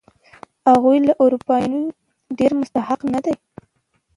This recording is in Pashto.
هغوی له اروپایانو یې ډېر مستحق نه دي.